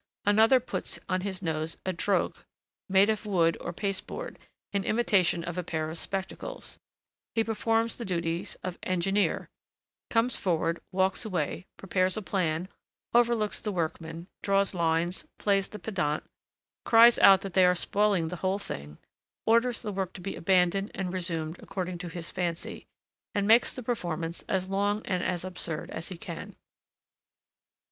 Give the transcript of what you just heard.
Another puts on his nose a drogue, made of wood or pasteboard, in imitation of a pair of spectacles: he performs the duties of engineer, comes forward, walks away, prepares a plan, overlooks the workmen, draws lines, plays the pedant, cries out that they are spoiling the whole thing, orders the work to be abandoned and resumed according to his fancy, and makes the performance as long and as absurd as he can.